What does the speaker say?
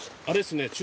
あれですね